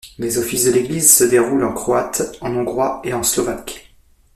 Les offices de l'église se déroulent en croate, en hongrois et en slovaque.